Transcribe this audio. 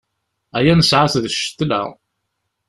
Aya nesɛa-t d ccetla.